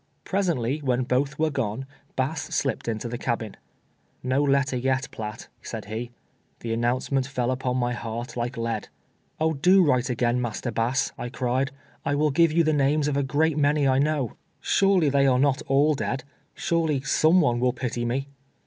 Presently, when both were gone, Bass slipped into the cabin. " jSTo letter yet, Piatt," said he. The announce ment fell upon my heart like lead. " Oh, do write again. Master Bass," I cried ;" I •will give you the names of a great many I know. THE MEETING IN THE CABIN. 281 Surely tliey are not all dead. Surely some one will pity me."